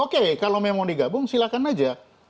oke kalau memang mau digabung silakan aja